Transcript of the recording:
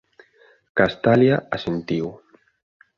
Castalia asentiu.